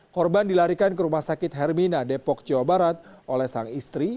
korban dilarikan ke rumah sakit hermina depok jawa barat oleh sang istri